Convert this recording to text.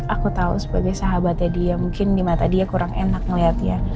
aku tahu sebagai sahabatnya dia mungkin di mata dia kurang enak ngeliatnya